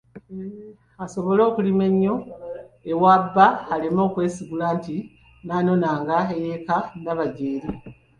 Asobole okulima ennyo ewa bba aleme kwesigula nti naanonanga ey’eka ndaba gy'eri.